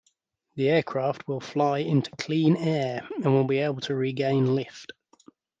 The aircraft will fly into "clean air", and will be able to regain lift.